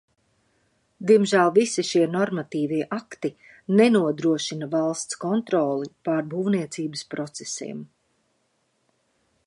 Diemžēl visi šie normatīvie akti nenodrošina valsts kontroli pār būvniecības procesiem.